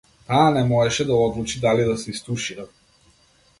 Таа не можеше да одлучи дали да се истушира.